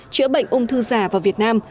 chữa bệnh ung thư giả vào việt nam